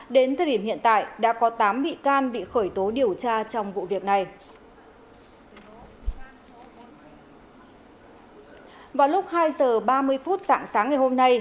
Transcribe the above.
đến thời điểm hiện tại đã có tám bị can bị khởi tố điều tra trong vụ việc này